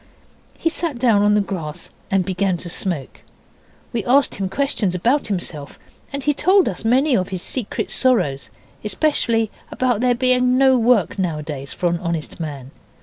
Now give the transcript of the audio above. He sat down on the grass and began to smoke. We asked him questions about himself, and he told us many of his secret sorrows especially about there being no work nowadays for an honest man.